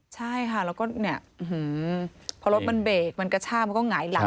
ใช่ค่ะแล้วก็เนี่ยพอรถมันเบรกมันกระชากมันก็หงายหลัง